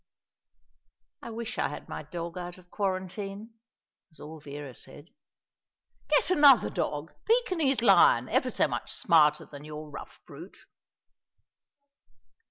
"I wish I had my dog out of quarantine," was all Vera said. "Get another dog a Pekinese lion; ever so much smarter than your rough brute."